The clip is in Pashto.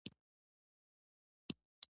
د سیکهانو هر ډول مقاومت وځپي.